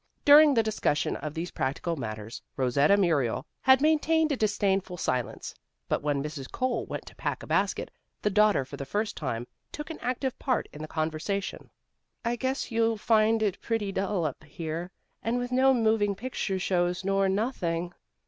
During the discussion of these practical matters, Rosetta Muriel had maintained a disdainful silence. But when Mrs. Cole went to pack a basket, the daughter, for the first time, took an active part in the conversation. "I guess you'll find it pretty dull up here, with no moving picture shows nor nothing."